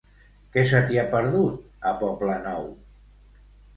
Què se t'hi ha perdut, a Poble Nou?